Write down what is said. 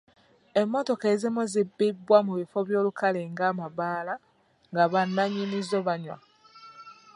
Emmotoka ezimu zibbibwa mu bifo by'olukale nga amabaala nga bannyinizo banywa.